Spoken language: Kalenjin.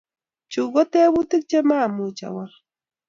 Chu ko tebutik che maamuchi awol